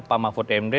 pak mahfud md